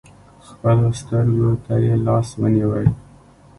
خپلو سترکو تې لاس ونیوئ .